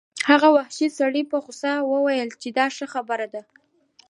هغه وحشي سړي په غوسه وویل چې دا ښه خبره ده